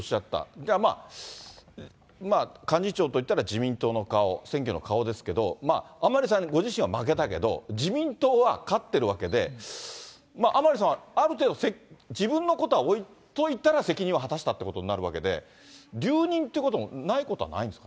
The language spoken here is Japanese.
じゃあまあ、幹事長といったら自民党の顔、選挙の顔ですけど、甘利さんご自身は負けたけど、自民党は勝ってるわけで、甘利さんはある程度、自分のことは置いといたら責任は果たしたということになるわけで、留任ということもないことはないんですか。